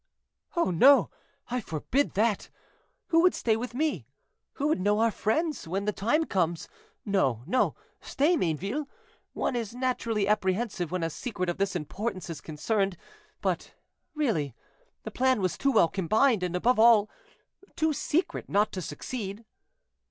"Oh, no! I forbid that. Who would stay with me, who would know our friends, when the time comes? No, no, stay, Mayneville; one is naturally apprehensive when a secret of this importance is concerned, but, really, the plan was too well combined, and, above all, too secret, not to succeed."